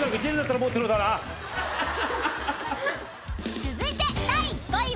［続いて第５位は］